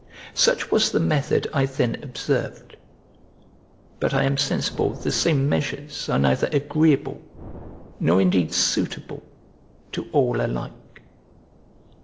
Such was the method I then observed; but I am sensible the same measures are neither agreeable nor indeed suitable to all alike.